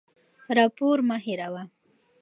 راپور مه هېروه.